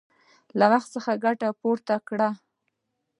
له وخت څخه ګټه پورته کړه!